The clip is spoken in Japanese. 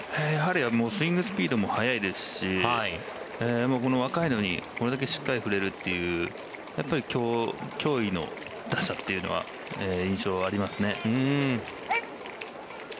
スイングスピードも速いですし若いのにこれだけしっかり振れるというやっぱり脅威の打者というのは印象がありますね。